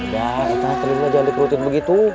ya entah terima jangan dikerutin begitu